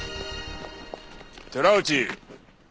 寺内。